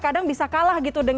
kadang bisa kalah gitu